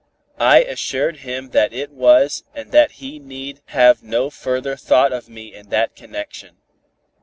I assured him that it was and that he need have no further thought of me in that connection.